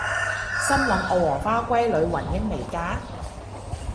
心諗我黃花閨女雲英未嫁！？